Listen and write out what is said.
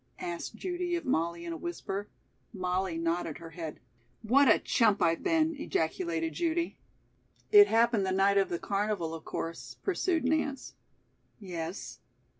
asked Judy of Molly in a whisper. Molly nodded her head. "What a chump I've been!" ejaculated Judy. "It happened the night of the carnival, of course," pursued Nance. "Yes."